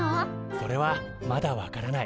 それはまだ分からない。